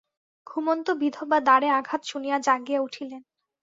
ঘুমন্ত বিধবা দ্বারে আঘাত শুনিয়া জাগিয়া উঠিলেন।